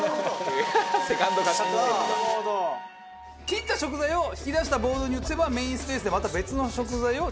切った食材を引き出したボードに移せばメインスペースでまた別の食材を調理できる。